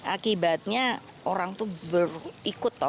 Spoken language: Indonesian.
akibatnya orang itu berikut